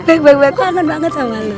baik baik aku kangen banget sama lu